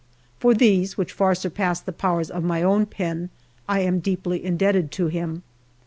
For these, which far surpass the powers of my own pen, I am deeply indebted to him.